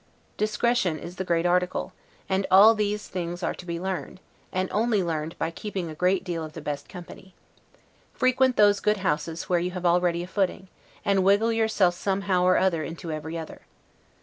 Discretion is the great article; all these things are to be learned, and only learned by keeping a great deal of the best company. Frequent those good houses where you have already a footing, and wriggle yourself somehow or other into every other.